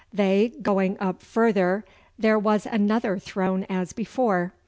They, going up further, there was another thrown as before.